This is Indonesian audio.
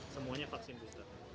semuanya vaksin bisa